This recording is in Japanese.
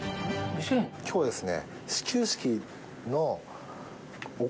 今日ですね。